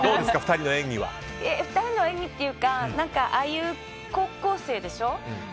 ２人の演技というかああいう高校生でしょ。